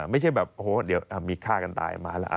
ไม่ใช่แบบโอ้โหเดี๋ยวมีฆ่ากันตายมาแล้ว